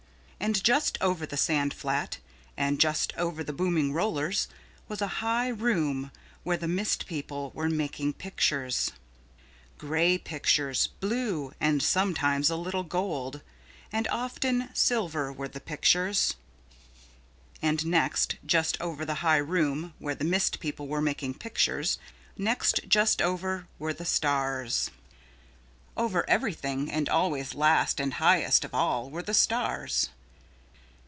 And just over the sand flat and just over the booming rollers was a high room where the mist people were making pictures. Gray pictures, blue and sometimes a little gold, and often silver, were the pictures. And next just over the high room where the mist people were making pictures, next just over were the stars. Over everything and always last and highest of all, were the stars.